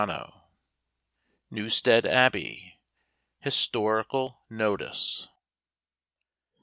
NEWSTEAD ABBEY HISTORICAL NOTICE.